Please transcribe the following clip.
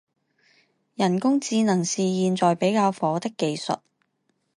人工智能是现在比较火的技术。